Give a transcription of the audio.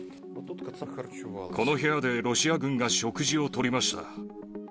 この部屋で、ロシア軍が食事をとりました。